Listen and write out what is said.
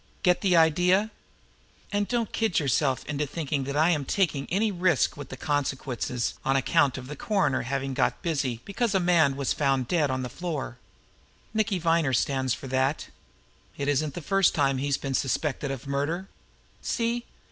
Get the idea? And don't kid yourself into thinking that I am taking any risk with the consequences on account of the coroner having got busy because a man was found here dead on the floor. Nicky Viner stands for that. It isn't the first time he's been suspected of murder. See?